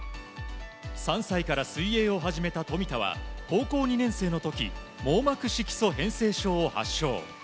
３歳から水泳を始めた富田は高校２年生の時網膜色素変性症を発症。